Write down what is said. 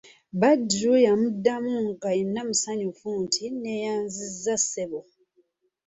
Badru yamuddamu nga yenna musanyufu nti:"neeyanziza ssebo"